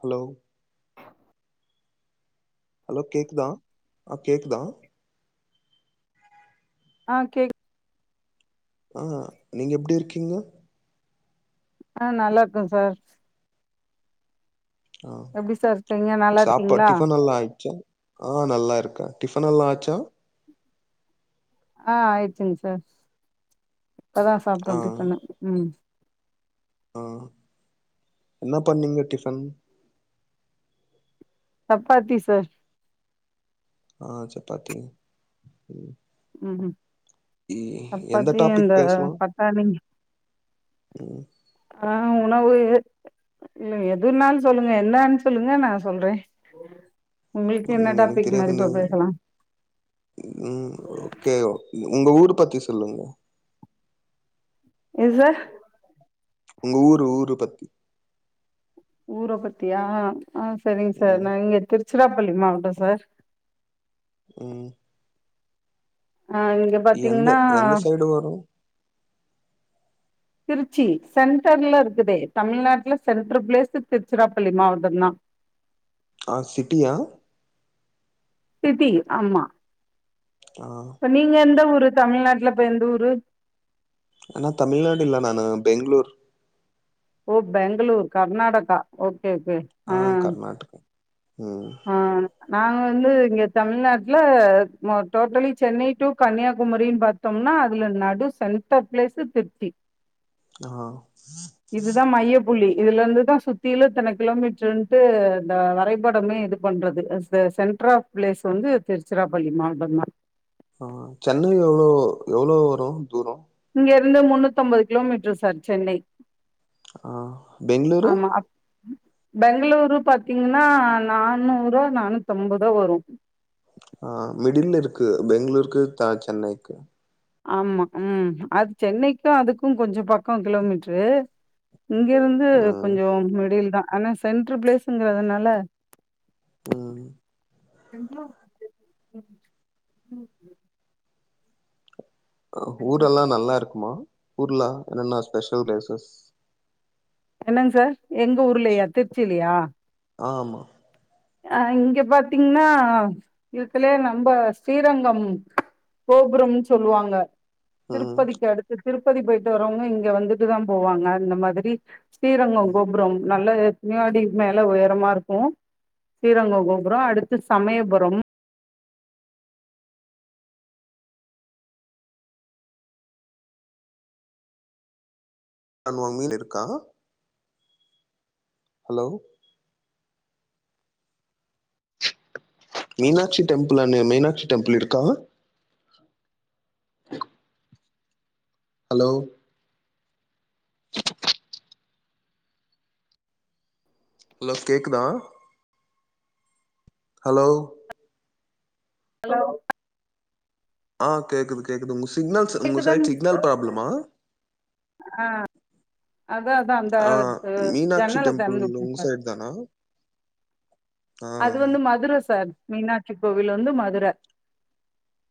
Hello hello கேக்குதா ஆ கேக்குதா ஆ கேக் ஆ நீங்க எப்டி இருக்கீங்க ஆ நல்லா இருக்கே சார் ஆ எப்டி சார் இருக்கீங்க நல்லா சாப்பாட் இருக்கீங்களா டிஃபன் எல்லா ஆயிட்ச்சா ஆ நல்லா இருக்கோ டிஃபன் எல்லா ஆச்சா ஆ ஆயிட்ச்சுங்க சார் இப்பதா சாப்ட்டோ ஆ டிஃபனு ம் ஆ என்ன பண்ணீங்க டிஃபன் சப்பாத்தி சார் ஆ சப்பாத்தி ம் ம் ம் இ எந்த சப்பாத்தி டாபிக் அந்த பேசலா பட்டாணிங்க ம் ஆ உணவு இல்ல எதுனாலு சொல்லுங்க என்னன்னு சொல்லுங்க நா சொல்றே உங்களுக்கு என்ன ம் எனக்கு டாபிக் மாரி தெரியாது நீ இப்ப பேசலா ம் ஓகே ஓ உங்க ஊர் பத்தி சொல்லுங்க எது சார் உங்க ஊரு ஊரு பத்தி ஊர பத்தியா ஆ சேரிங்க சார் ம் நா இங்க திருச்சிராப்பள்ளி மாவட்ட சார் ம் அ இங்க பாத்தீங்கனா எப்டி வரு திருச்சி சென்டர்ல இருக்குது தமிழ்நாட்டுல சென்ட்ரு பிளேஸ்ல திருச்சிராப்பள்ளி மாவட்டம் தா ஆ சிட்டியா சிட்டி ஆமா ஆ இப்ப நீங்க எந்த ஊரு தமிழ்நாட்டுல இப்ப எந்த ஊரு நா தமிழ்நாடு இல்ல நானு பெங்ளூர் ஓ பெங்களூர் கர்நாடகா ஓகே ஓகே ஆ கர்நாடகா ம் ஆ நாங்க வந்து இங்க தமிழ்நாட்டுல மொத் டோட்டலி சென்னை டூ கன்னியாகுமரின் பாத் தம்னா அதுல நடு சென்டர் பிளேஸ்சு திருச்சி ஆ இதுதா மையப்புள்ளி இதுல இருந்துதா சுத்திலு இத்தன கிலோமீட்டருன்ட்டு இந்த வரைபடமே எப்டி பண்றது சென்டர் ஆப் பிளேஸ் வந்து திருச்சிராப்பள்ளி மாவட்டம் தான் ஆ சென்னை எவ்ளோ எவ்வளோ வரும் தூரம் இங்கேருந்து முன்னூத்தி ஒன்பது கிலோமீட்டர் சார் சென்னை ஆ பெங்ளூரு பெங்ளூரு பாத்தீங்கன்னா நானூறோ நானூத்தொன்பதோ வரும் ஆ மிடிலருக்கு பெங்ளூருக்கு சென்னைக்கு ஆமா ம் அது சென்னைக்கும் அதுக்கும் கொஞ்சம் பக்கம் கிலோமீட்ரு இங்கேருந்து ம் கொஞ்சம் மிடில் தான் ஆனா சென்டரு பிளேஸ்சு இங்கறதுனால ம் [unintelligible] ஊரெல்லாம் நல்லா இருக்குமா ஊர்லாம் என்னென்னா ஸ்பெஷல் பிளேசஸ் என்னாங் சார் எங்க ஊர்லயா திருச்சிலயா ஆமா ஆ இங்க பாத்தீங்கன்னா இவுதுலயே நம்ப ஸ்ரீரங்கம் கோபுரமுனு சொல்லுவாங்க ம் திருப்பதிக்கு அடுத்து திருப்பதி போயிட்டு வரவங்க இங்க வந்துட்டுதான் போவாங்க அந்த மாதிரி ஸ்ரீரங்கம் கோபுரம் நல்ல எத்தனயோயடி மேல உயரமா இருக்கும் ஸ்ரீரங்கம் கோபுரம் அடுத்து சமயபுரம் [unintelligible] இருக்கா ஹலோ மீனாட்சி டெம்பிள் அனு மீனாட்சி டெம்பிள் இருக்கா ஹலோ ஹலோ கேக்குதா ஹலோ ஹலோ ஆ கேக்குது கேக்குது உங்க சிக்னல்ஸ் உங்க சைட் கேக்குதாங் சிக்னல் ப்ராபளமா ஆ அதா அதா அந்த ஆ ஜன்னல திறந்துட்டா சார் ஜன்னல் அது வந்து மதுர சார் மீனாட்சி கோவில் வந்து மதுர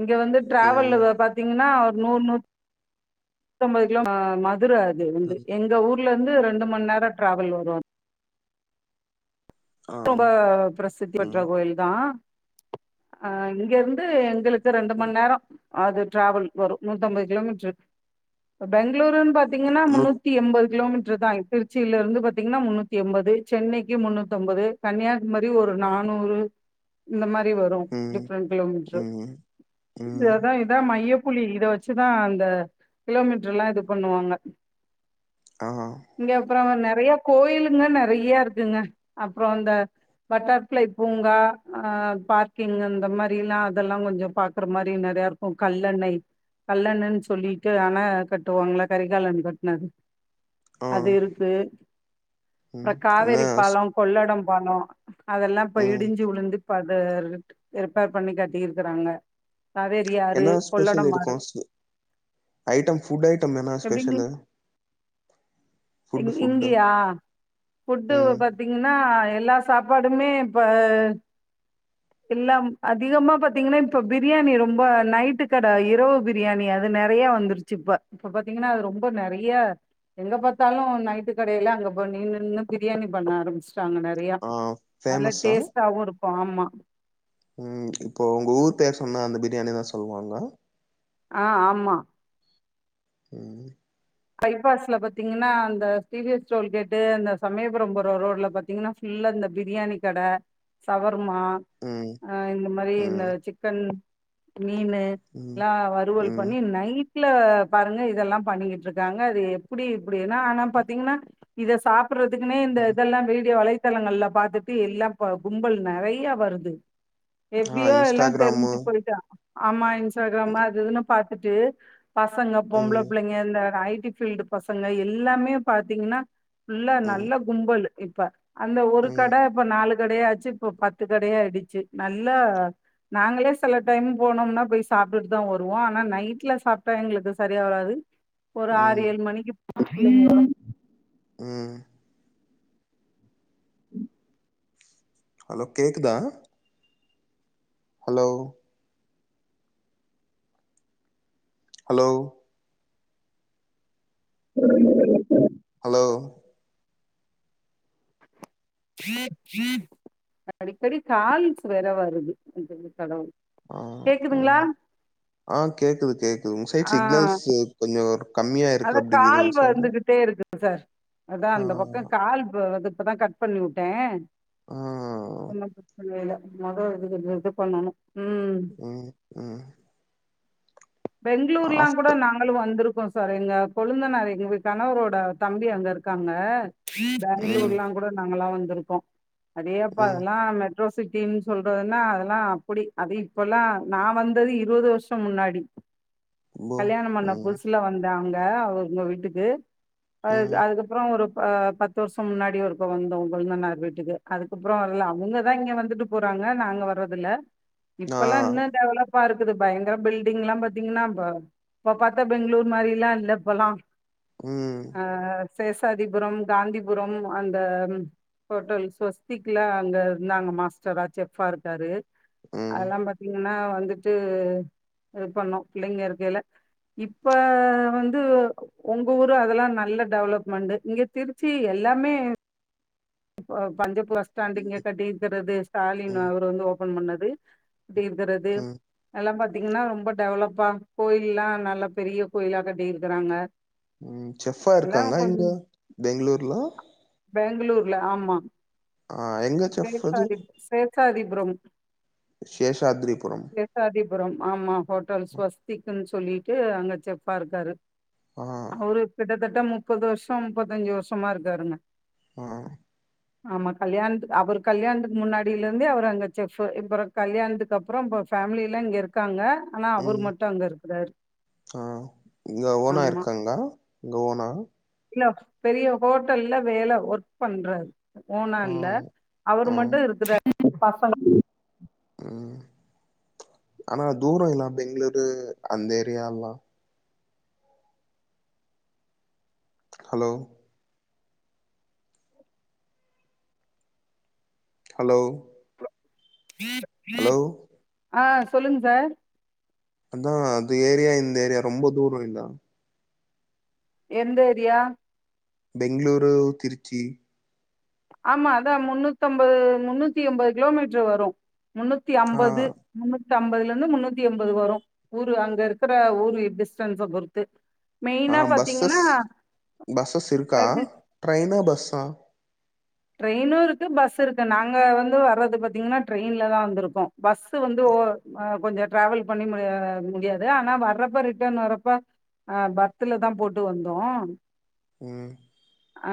இங்க வந்து ம் டிராவல்லு பாத்தீங்கன்னா ஒரு நூறு நூத்தன்ம்பது ஆ மதுர அது வந்து ம் எங்க ஊர் ல இருந்து ரெண்டு மணி நேரம் டிராவல் வரும் ஆ ரொம்ப பிரசித்திபெற்ற ம் கோயிலு தான் அ இங்கருந்து எங்களுக் ரெண்டு மணி ம் நேரம் அது டிராவல் வரும் நூத்தம்பது கிலோமீட்டர் பெங்ளூருு பா த்தீங்கன்னா முன்னூ நுத் த்தியெண்பது கிலோமீட்டர் தான் திருச்சியில இருந்து பாத்தீங்கன்னா முன்னூத்தியெண்பது சென்னைக்கு முன்னூத்தியென்பது கன்னியாகுமரி ஒரு நானூறு இந்த மாரி வரும் ம் டிஃப்ரெண்ட் கிலோமீட்டரு ம் இது ம் அதான் இதான் மையப்புள்ளி இத வச்சுதான் அந்த கிலோமீட்டர் எல்லாம் இது பண்ணுவாங்க ஆ இங்க அப்றம் நெறைய கோயிலுங்க நெறைய இருக்குங்க அப்றம் இந்தந்த பட்டர்ஃப்ளை பூங்கா ஆ பார்க்கிங் அந்த மாதிரிலாம் அதெல்லாம் கொஞ்சம் பாக்குற மாரி நெறையா இருக்கும் அப்றம் கல்லணை கல்லணன்னு சொல்லிட்டு அணை கட்டுவாங்கள்ள கரிகாலன் கட்டினது ஆ அது இருக்கு ம் அப்றம் என்ன காவேரி ஸ் பாலம் கொள்ளடம் பாலம் அதெல்லாம் இப்ப ம் இடிஞ்சு உழுந்து இப்ப அது ரிப்பேர் பண்ணி கட்டிருக்குறாங்க அதே என்ன ஸ்பெஷல் இருக்கும் ஐட்டம் ஃபுட் ஐட்டம் என்ன எப்டிங்க ஸ்பெஷலு ஃபுட்டு ஃபுட்டு இங்கையா ஃபுட் பத்தி ம் பாத்தீங்கன்னா எல்லா சாப்பாடுமே இப்ப இல்ல அதிகமா பாத்தீங்கன்னா இப்ப பிரியாணி ரொம்ப நைட்டு கடை இரவு பிரியாணி அது நிறைய வந்து ந்துச்சி இப்ப இப்ப பாத்தீங்கன்னா அது ரொம்ப நிறைய எங்க பா த்தாலும் நைட்டு கடையில அங்க போய் நின்னு நின்னு பிரியாணி பண்ண ஆரம்பிச்சுட்டாங்க பயா ஆ நல்ல ஃபேமஸா டேஸ்டாவும் இருக்கும் ஆமா ம் இப்போ உங்க ஊர் பேர் சொன்னா அந்த பிரியாணி தா சொல்லுவாங்க ஆ ஆமா உம் பைபாஸ்ல பாத்தீங்கன்னா அந்த டிவிஎஸ் டோல் கேட்டு அந்த சமயபுரம் போற ரோட்ல பாத்தீங்கன்னா ஃபுல்லா இந்த பிரியாணி கடை சவர்மா ம் அ இந்த மாதிரி இந்த ம் சிக்கன் மீனு ம் எல்லாம் வறுவல் ம் பண்ணி நைட்ல பாருங்க இதெல்லாம் பண்ணிக்கிட்டு இருக்க இருக்குறாங்க அது எப்படி இப்படினா ஆனா பாத்தீங்கன்னா இத சாப்பிடுறதுக்குன்னே இந்த ம் இதெல்லாம் வீடியோ வளைச த்தலங்கள்ல பாத்துட்டு எல்லாம் கும்பல் நிறைய வருது ஆ எப்படியோ எல்லாம் இன்ஸ்டாகிராமு தெரிஞ்சு போயிட்டான் ஆமா இன்ஸ்டாகிராம் அது இதுன்னு பாத்துட்டு பசங்க பொம்பள ம் பிள்ளைங்க இந்த இந்த ஐடிபீல்டு பசங்க எல்லாமே பாத்தீங்கன்னா ஃபுல்லா ம் நல்ல கும்பல் இப்ப அந்த ஒரு ம் கடை இப்ப நாலு கடையாச்சு இப்ப பத்து கடையா ஆயிடுச்சு நல்ல நாங்களே சில டைம் போனோம்னா போய் சாப்பிட்டுட்டு தான் வருவோம் ஆனா நைட்ல சாப்பிட்டா எங்களுக்கு சரியா வராது ஒரு ஆறு ம் ஏழு மணிக்கு போயிட்டு உம் உம் ஹலோ கேக்குதா ஹலோ ஹலோ உ [inaudible] ஹலோ அடிக்கடி கால்ஸ் வேற வருது அ கடவுள் ஆ ம் கேக்குதுங்களா ஆ கேக்குது கேக்குது உங்க சைட்ஸ் ஆ சிக்னல்ஸ் கொஞ்சம் வ கம்மியா இருக்கு அப்படிங்குது உங்க ஸ்லோகோ சார் அதா அந்த பக்கம் கால் வருது இப்பதா கட் பண்ணி விட்டேன் ஆ ஒன்னும் பிரச்சனை இல்ல மொத இது கொஞ்சம் இது பண்ணணும் உம் உம் உம் பெங்களூர்ல்லாம் கூட ஆஃப்டர் நாங்க வந்துருக்கோம் சார் எங்க கொழுந்தனார் எங்க கணவரோட தம்பி அங்க இருக்காங்க ம் பெங்களுர்ல்லா கூட நாங்களாம் வந்திருக்கோம் அதேப்ப ம் அதெல்லாம் ரோசிடீம் சொல்றதுன்னா அதெல்லாம் அப்படி அது இப்பல்லாம் நா வந்தது இருபது வருஷம் முன்னாடி போ கல்யாணம் பண்ண ம் புதுசுல வந்த அங்க அவுங்க வீட்டுக்கு அது ம் அதுக்கு அப்புறம் ஒரு பத்து வருஷம் முன்னாடி ஒருக்க வந்தோ வங் கொளுந்தனார் வீட்டுக்கு அதுக்கப்புறம் வரல அவுங்கதான் இங்க வந்துட்டு போறாங்க நாங்க வர்றதுல இப்ப ஆ எல்லாம் இன்னும் டெவலப்பா இருக்குது பயங்கர பில்டிங் எல்லாம் பத்தி த்தீங்னாப இப்ப பாத்தா பெங்களூர் மாரிலா இல்ல இப்பலா ம் ஆத் சேஷாதிபுரம் காந்திபுரம் அந்த ம் ஹோட்டல் ஸ்வஸ்திக்ல அங்க இருந்தாங்க மாஸ்டரா செஃப்பா இருக்காரு ம் அதெல்லா பாத்தீங்கன்னா வந்துட்டு இது பண்ணோ பிள்ளைங்க இருக்கையில இப்ப வந்து ஒங்க ஊரு அதெல்லா நல்ல டெவலப்மெண்ட் இங்க திருச்சி எல்லாமே இப்போ பஞ்சப்ளஸ்டாண்ட் இங்க கட்டி இருக்கிறது ஸ்டாலின் ம் அவரு வந்து ஓபன் பண்ணது [unintelligible] கிறது ம் எல்லா பாத்தீங்னா ரொம்ப டெவலப்பா கோயில்லா நல்ல பெரிய கோயிலா கட்டியிருக்கிறாங்க ம் செஃப்பா இருக்காங்க இங்க பெங்களூர்ல பெங்களூர்ல ஆமா ஆ எங்கத் சேசாதிப் சேசாதிபுரம் சேஷாதிரிபுரம் சேஷாத்ரிபுரம் ஆமா ஹோட்டல் ஸ்வஸ்திக்குன்னு சொல்லிட்டு அங்க செஃப்பா இருக்காரு ஆ அவரு கிட்டத்தட்ட முப்பது வருஷம் முப்பத்தஞ்சு வருஷமா இருக்காருங்க ஆ ஆமா கல்யாணத்துக் அவர் கல்யாணத்துக்கு முன்னாடியில இருந்தே அவர் அங்க செஃப்பு இப்புறோ கல்யாணத்துக்கு அப்புறோ இப்ப ஃபேமிலிய எல்லா இங்க இருக்காங்க ஆனா அவர் ம் மட்டு அங்க இருக்கிறாரு அ இங்க ஓனா ஆமா இருக்காங்ளா இங்க ஓனா இல்ல பெரிய ஹோட்டல்ல வேல ஒர்க் பண்றார் ஓனா ஆ இல்ல அவரு ஆ மட்டு இருக்குறாரு பசங்க ம் ஆனா தூரோ இல்லாம் பெங்களூரு அந்த ஏரியால்லா ஹலோ ஹலோ ம் ஹலோ ஆ சொல்லுங் சார் அதா அது ஏரியா இந்த ஏரியா ரொம்ப தூரோ இல்லா எந்த ஏரியா? பெங்களூரு திருச்சி ஆமா அதா முன்னூத்தம்பது முன்னூத்தி எம்பது கிலோமீட்ரு வரு முன்னூத்தி ஆ அம்பது முன்னூத்தி ஐம்பதுல இருந்து முன்னூத்தி எண்பது வரு ஊரு அங்க இருக்கிற ஊரு டிஸ்டன்ஸ பொறுத்து ஆ மெயினா பஸ்ஸஸ் பாத்தீங்கன்னா பஸ்ஸஸ் இருக்கா இது ட்ரெயினா பஸ்ஸா ட்ரெயினு இருக்கு பஸ் இருக்கு நாங்க வந்து வர்றது பாத்தீங்கன்னா ட்ரெயின்ல தா வந்திருக்கோ பஸ் வந்து ஒ அ கொஞ்சட் ட்ராவல் பண்ணி முடிய முடியாது ஆனா வர்றப்ப ரிட்டர்ன் வர்றப்ப ஆ பத்துல தா போட்டு வந்தோ ம் ஆ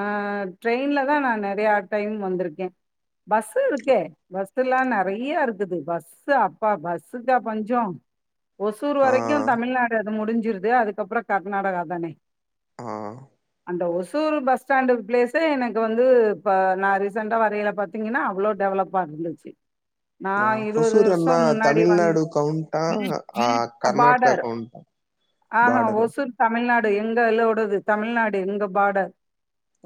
ட்ரெயின்ல தா நா நெறயா டைம் வந்துருக்கே பஸ்ஸு இருக்கே பஸ் த்துல்லா நெறையா இருக்குது பஸ்ஸு அப்பா பஸ்சுக்கா பஞ்சோ ஒசூர் ஆ வரைக்கு தமிழ்நாடு அது முடிஞ்சிருது அதுக்கப்றோ கர்நாடகா தானே ஆ இந்த ஓசூர்ரு பஸ் பஸ் ஸ்டாண்ட் பிளேஸே எனக்கு வந்து இப்ப நா ரீசன்ண்டா வரையில பாத்தீங்கன்னா அவ்ளோ டெவலப்பா இருந்துச்சு நா ஆ இருவது ஹொசூர் வருஷோ அண்ணா முன்னாடி வந்த தமிழ்நாடு கவுண்டா ஆ அ கர்நாடகா பார்டர் கவுண்டா ஆஹ பார்டரு ஒசூர் தமிழ்நாடு எங்களோடது தமிழ்நாடு எங்க பாடர்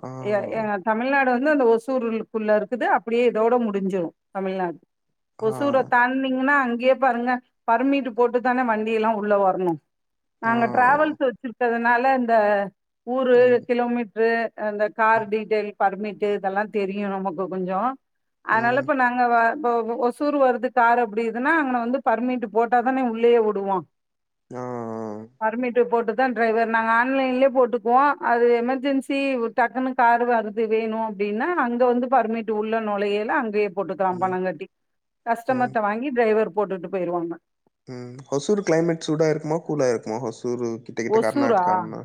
ஆ எ எங்க தமிழ்நாடு வந்து அந்த ஒசூருள் க்குள்ள இருக்குது அப்டியே இதோட முடிஞ்சிரு தமிழ்நாடு ஆ ஒசூர தாட்னீங்னா அங்கேயே பாருங்க பர்மிட் போட்டு தான வண்டி எல்லா உள்ள வரணு ஆ நாங்க டிராவல்ஸ் வச்சிருக்றதுனால இந்த ஊரு ம் கிலோமீட்ரு இந்த கார் ம் டீட்டெயில் பர்மிட் இதெல்லா தெரியு நமக்கு கொஞ்சோ அதனால ம் இப்ப நா அங்க வ ஒசூர் வருது கார் அப்டிதுனா அங்கன வந்து பர்மிட்டு போட்டாதானே உள்ளேயேவுடுவா ஆ பர்மிட்டு போட்டு தா ட்ரைவர் நாங்க ஆன்லைன்லே போட்டுக்வோ அது எமர்ஜென் சி டக்குனு காரு வருது வேணு அப்டின்னா அங்க வந்து பர்மிட்டு உள்ள நொழையலே அங்கயே போட்டுக்கலா ம் பணோ கட்டி ம் கஸ்டமர்ட்ட வாங்கி டிரைவர் போட்டுட்டு போயிருவாங்க ம் ஹொசூர் கிளைமேட் சூடா இருக்குமா கூலா இருக்குமா ஹொசூரு ட்டகிட்ட ஒசூரா கர்நாட்க்கான்னா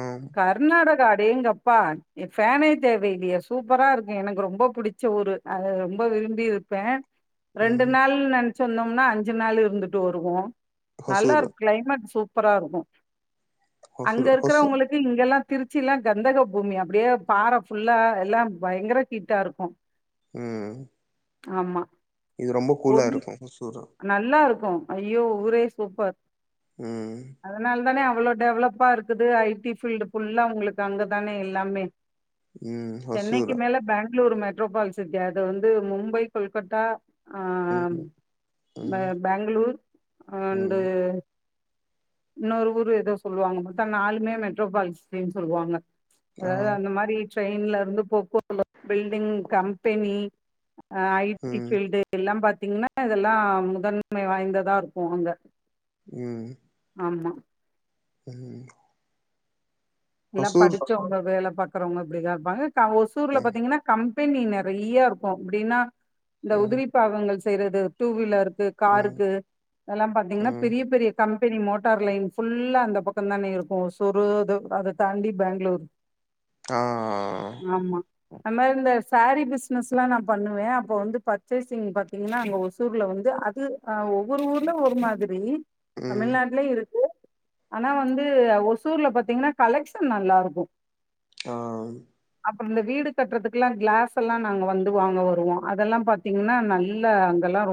அஹம் கர்நாடகா அடேங்கப்பா எ ஃபேனே தேவை இல்லையே சூப்பரா இருக்கு எனக்கு ரொம்ப புடி ச்சஊரு அது ரொம்ப விரும்பி இருப்பே ரெண்டு ம். நாள் நென்ச்சு வந்தோம்னா அஞ்சு நாள் இருந்துட்டு வருவோ நல்லா ஹொசூரு. இருக்கு கிளைமேட் சூப் பரா இருக்கு அங்க ஹொசூரு ஹொசூ இருக்றவங்களுக் கு இங்கெல்லா திருச்சில்லா கந்தக பூமி அப்டியே பாற ஃபுல்லா எல்லா பயங்கர ஹீட்டா இருக்கு ம் ஆமா இது ரொம்ப கூலா பொன் இருக்கு ஹொசூரு நல்லா இருக்கு ஐயோ ஊரே சூப்பர் ம் அதனால் தானே அவ்ளோ டெவலப்பா இருக்குது ஐ டி ஃபீல்டு ஃபுல்லா உங்களுக்கு அங்கதானே எல்லாமே ம். சென்னைக்கு ஹொசூரு. மேல பெங்ளூரு மெட்ரோபால்சிட்டி அது வந்து மும்பை கொல்கட்டா ஆ ஆ ம். பெ ம். பெங்ளூர் அண்டு ம். இன்னொரு ஊர் ஏதோ சொல்வாங்க மொத்தோ நாளுமே மெட்ரோபால் சிட்டினு சொல்வாங்க ஆ. அதாது அந்த மாரி ட்ரெயின்ல இருந்து [inaudible] பில்டிங் கம்பெனி அ ஐ டி ம். பீல்டு எல்லா பாத்தீங்ன்னா இதெல்லா முதன்மை வாய்ந்ததா இருக்கு அங்க ம் ஆமா ம் எல்லா ஹொசூர் படுச்சவங்க வேல பாக்றவங்க இப்டிதா இருப்பாங்க க ஒசூர்ல ம். பாத்தீங்ன்னா கம்பெனி நெறயா இருக்கு எப்டின்னா இந்த ம். உதிரி பாகங்கள் செய்றது டூவீலருக்கு ம். கார்க்கு இதெல்லா பாத்தீங்ன்னா ம். பெரிய பெரிய கம்பெனி மோட்டார் லைன் ஃபுல்லா அந்த பக்க தானே இருக்கு ஓசூறு அது தாண்டி பேங்ளூர் ஆ ஆ ஆ ஆமா அந்த மாரி இந்த சேரீ பிசினஸ்லா நா பண்ணுவே அப்போ வந்து பர்ச்சேசிங் பாத்தீங்ன்னா அங்க ஒசூர்ல வந்து அ து ஒவ்வொரு ஊர்ல ஒரு மாதிரி ம். தமிழ்நாட்லயு இருக்கு ஆனா வந்து ஒசூர்ல பாத்தீங்ன்னா கலெக்ஷன் நல்லாருக்கு ஆ அப்ற இந்த வீடு கட்றதுக்ல்லா கிளாஸ் எல்லா நாங்க வந்து வாங்க வருவோ அதெல்லா பாத் த்தீங்ன்னா நல்ல அங்கெல்லா ரொம்